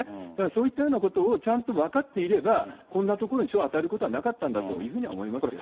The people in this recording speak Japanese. そういったようなことをちゃんと分かっていれば、こんなところに賞を与えることはなかったんだというふうには思いますよね。